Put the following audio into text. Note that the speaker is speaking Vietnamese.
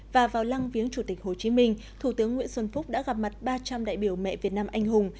và vào lăng viếng chủ tịch hồ chí minh thủ tướng nguyễn xuân phúc đã gặp mặt ba trăm linh đại biểu mẹ việt nam anh hùng